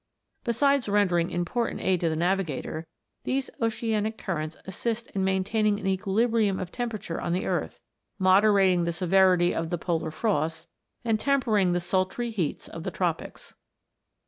Besides rendering important aid to the navigator, these oceanic currents assist in mantain ing an equilibrium of temperature on the earth, moderating the severity of the polar frosts, and tempering the sultry heats of the tropics.